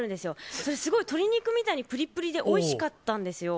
それ、すごい鶏肉みたいにぷりぷりでおいしかったんですよ。